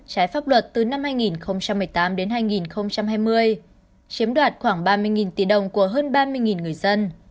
trái pháp luật từ năm hai nghìn một mươi tám đến hai nghìn hai mươi chiếm đoạt khoảng ba mươi tỷ đồng của hơn ba mươi người dân